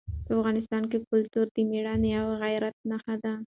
په افغانستان کې کلتور د مېړانې او غیرت نښه ده.